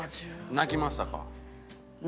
泣きましたか？